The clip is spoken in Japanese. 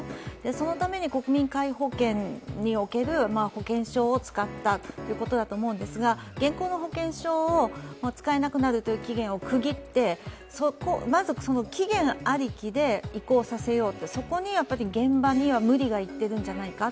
そのために国民皆保険における保険証を使ったということだと思うんですが、現行の保険証を使えなくなるという期限を区切ってまず期限ありきで移行させようと、そこに現場には無理が行っているんじゃないか。